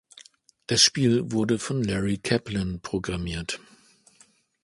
Das Spiel wurde von Larry Kaplan programmiert.